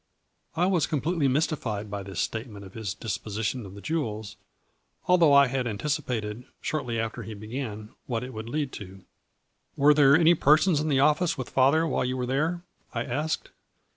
I was completely mystified by this statement of his disposition of the jewels, although I had anticipated, shortly after he began, what it would lead to. " Were there any persons in the office with father while you were there ?" I asked.